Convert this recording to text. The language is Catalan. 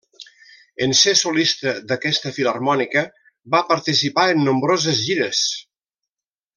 En ser solista d'aquesta filharmònica, va participar en nombroses gires.